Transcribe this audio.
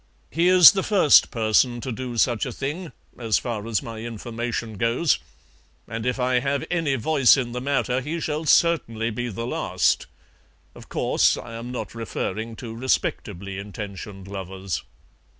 "He is the first person to do such a thing, as far as my information goes, and if I have any voice in the matter he certainly shall be the last. Of course, I am not referring to respectably intentioned lovers."